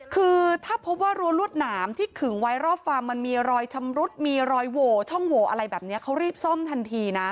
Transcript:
คือถ้าพบว่ารั้วรวดหนามที่ขึงไว้รอบฟาร์มมันมีรอยชำรุดมีรอยโหว่ช่องโหวอะไรแบบนี้เขารีบซ่อมทันทีนะ